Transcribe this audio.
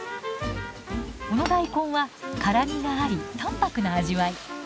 この大根は辛みがあり淡白な味わい。